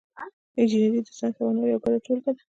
انجنیری د ساینس او هنر یوه ګډه ټولګه ده.